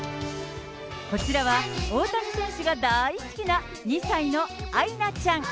こちらは、大谷選手が大好きな２歳のあいなちゃん。